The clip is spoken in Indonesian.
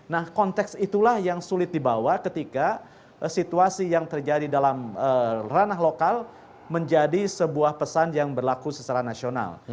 nah konteks itulah yang sulit dibawa ketika situasi yang terjadi dalam ranah lokal menjadi sebuah pesan yang berlaku secara nasional